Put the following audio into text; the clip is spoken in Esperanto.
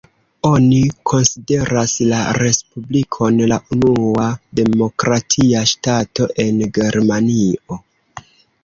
Oni konsideras la respublikon la unua demokratia ŝtato en Germanio.